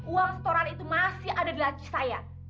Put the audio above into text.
uang setoral itu masih ada di laci saya